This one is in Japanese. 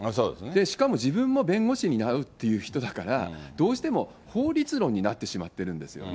しかも自分も弁護士になるっていう人だから、どうしても法律論になってしまってるんですよね。